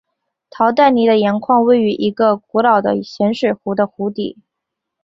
陶代尼的盐矿位于一个古老的咸水湖的湖底。